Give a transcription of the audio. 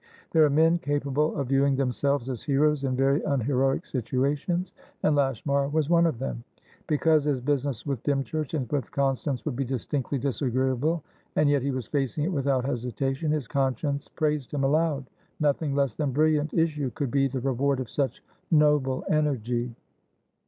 There are men capable of viewing themselves as heroes in very unheroic situations, and Lashmar was one of them. Because his business with Dymchurch and with Constance would be distinctly disagreeable, and yet he was facing it without hesitation, his conscience praised him aloud. Nothing less than brilliant issue could be the reward of such noble energy.